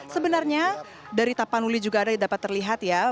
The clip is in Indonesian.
sebenarnya dari tapanuli juga ada dapat terlihat ya